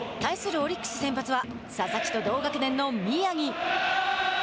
オリックス先発は佐々木と同学年の宮城。